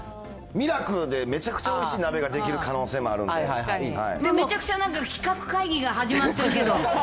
ミラクルでめちゃくちゃおいしい鍋ができる可能性もあるんでで、めちゃくちゃなんか、企画会議が始まってるけど。